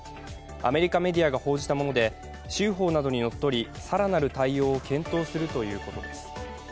アメリカメディアが報じたもので、州法などに則り、更なる対応を検討するということです。